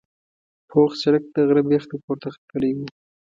پوخ سړک د غره بیخ ته پورته ختلی و.